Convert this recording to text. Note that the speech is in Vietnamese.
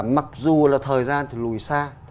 mặc dù là thời gian thì lùi xa